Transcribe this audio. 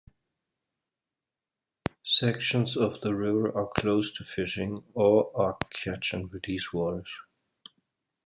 Sections of the river are closed to fishing, or are "catch-and-release" waters.